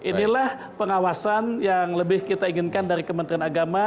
inilah pengawasan yang lebih kita inginkan dari kementerian agama